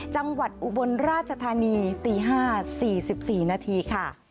จังหวัดอุบนราชทานีตีห้าสี่สิบสี่นาทีค่ะ